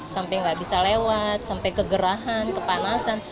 sampai nggak bisa lewat sampai kegerahan kepanasan